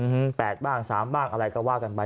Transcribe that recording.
หึ๘บ้าง๓บ้างอะไรก็ว่ากันไป